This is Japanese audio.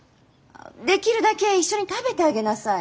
できるだけ一緒に食べてあげなさい。